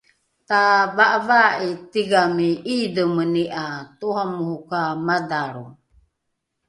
tava’avaa’i tigami ’iidhemeni ’a toramoro ka madhalro